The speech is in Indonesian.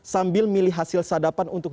sambil milih hasil sadapan untuk